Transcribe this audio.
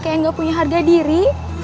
dede kayak gak punya harga diri